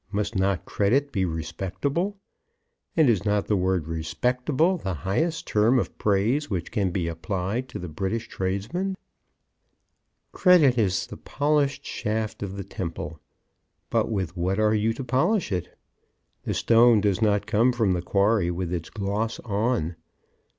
Must not credit be respectable? And is not the word "respectable" the highest term of praise which can be applied to the British tradesman? Credit is the polished shaft of the temple. But with what are you to polish it? The stone does not come from the quarry with its gloss on.